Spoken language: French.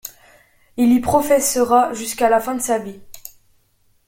Il y professera jusqu'à la fin de sa vie.